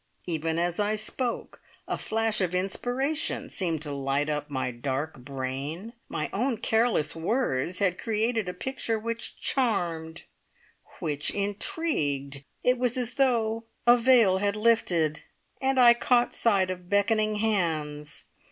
Even as I spoke a flash of inspiration seemed to light up my dark brain. My own careless words had created a picture which charmed, which intrigued. It was as though a veil had lifted, and I caught sight of beckoning hands.